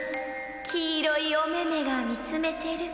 「きいろいおめめがみつめてる。